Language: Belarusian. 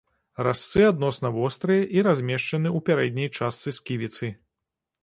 Разцы адносна вострыя і размешчаны ў пярэдняй частцы сківіцы.